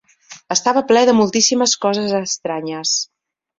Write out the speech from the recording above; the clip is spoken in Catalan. Estava ple de moltíssimes coses estranyes.